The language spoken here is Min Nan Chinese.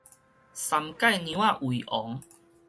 三界娘仔為王